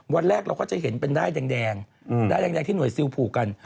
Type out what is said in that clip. วันแรกเราก็จะเห็นเป็นได้แดงที่หน่วยซิลผูกกัน